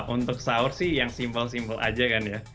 untuk sahur sih yang simple simpel aja kan ya